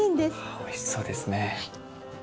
ああおいしそうですね。